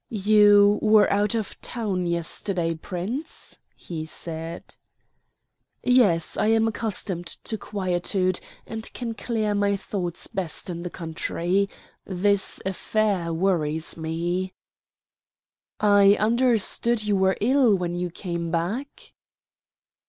"You were out of town yesterday, Prince?" he said. "Yes, I am accustomed to quietude, and can clear my thoughts best in the country. This affair worries me." "I understood you were ill when you came back?"